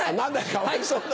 かわいそうだ。